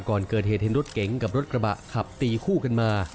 ก่อนเกิดเหตุเห็นรถเก๋งกับรถกระบะขับตีคู่กันมา